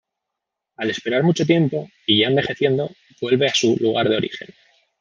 Al esperar mucho tiempo, y ya envejeciendo, vuelve a su lugar de origen.